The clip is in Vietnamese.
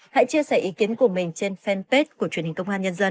hãy chia sẻ ý kiến của mình trên fanpage của truyền hình công an nhân dân